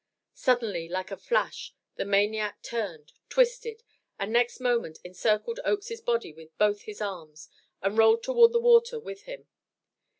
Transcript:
Suddenly like a flash the maniac turned, twisted, and next moment encircled Oakes's body with both his arms, and rolled toward the water with him.